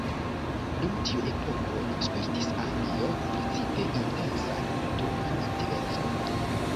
Dum tiu epoko spertis Anglio precipe intensan kulturan aktivecon.